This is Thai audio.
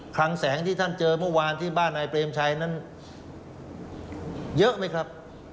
ลังแสงที่ท่านเจอเมื่อวานที่บ้านนายเปรมชัยนั้นเยอะไหมครับ